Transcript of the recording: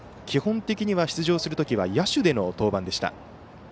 基本的には出場するときは野手での登板でした。